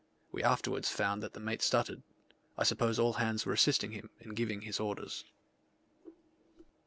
We afterwards found that the mate stuttered: I suppose all hands were assisting him in giving his orders.